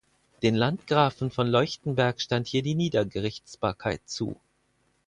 Den Landgrafen von Leuchtenberg stand hier die Niedergerichtsbarkeit zu.